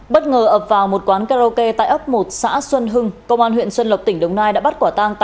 bất ngờ ập vào một quán karaoke tại ấp một xã xuân hưng công an huyện xuân lộc tỉnh đồng nai đã bắt quả tang